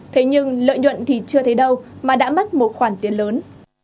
thế nhưng lợi nhuận thì chưa thấy đâu mà đã mất một khoản tiền lớn